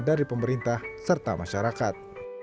dari pemerintah serta masyarakat